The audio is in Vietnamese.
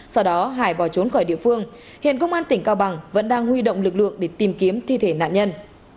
sau đó hải bỏ trốn khỏi địa phương hiện công an tỉnh cao bằng vẫn đang huy động lực lượng để tìm kiếm thi thể nạn nhân